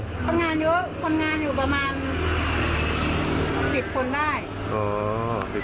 คนงานเยอะคนงานอยู่ประมาณ๑๐คนได้